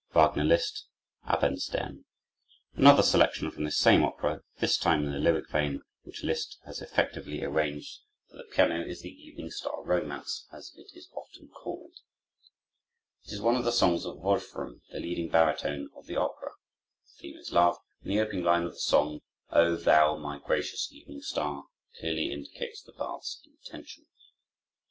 Wagner Liszt: Abendstern Another selection from this same opera, this time in the lyric vein, which Liszt has effectively arranged for the piano, is the "Evening Star Romance," as it is often called. It is one of the songs of Wolfram, the leading baritone of the opera. The theme is love, and the opening line of the song, "O thou, my gracious evening star," clearly indicates the bard's intention.